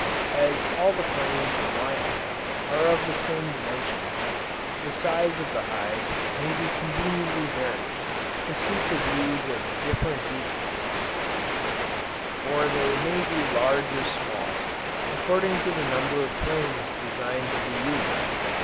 As all the frames in my hives are of the same dimensions, the size of the hive may be conveniently varied, to suit the views of different bee keepers; for they may be large or small, according to the number of frames designed to be used.